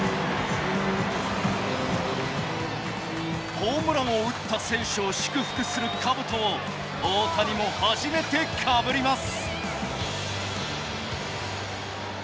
ホームランを打った選手を祝福するかぶとを大谷も初めてかぶります。